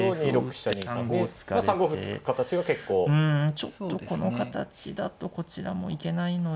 ちょっとこの形だとこちらも行けないので。